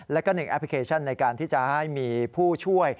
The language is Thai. แล้วก็๑แอปพลิเคชันในการที่จะให้มีผู้ช่วย